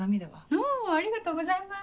おぉありがとうございます。